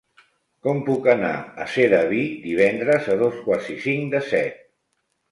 Com puc anar a Sedaví divendres a dos quarts i cinc de set?